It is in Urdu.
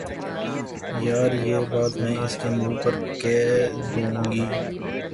یار، یہ بات میں اس کے منہ پر کہ دوں گی